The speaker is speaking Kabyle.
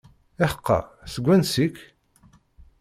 Iḥeqqa, seg wansi-k?